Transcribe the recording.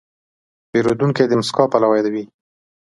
پیرودونکی د موسکا پلوی وي.